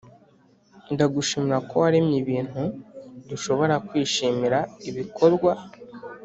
Ndagushimira ko waremye ibintu dushobora kwishimira ibikorwa